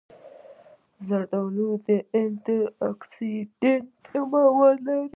زردالو د انټي اکسېډنټ مواد لري.